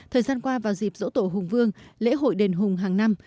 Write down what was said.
thời gian qua vào dịp dỗ tổ hùng vương lễ hội đền hùng hàng năm